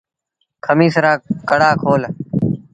کميٚس رآ ڪڪڙآ کول۔